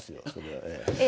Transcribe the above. え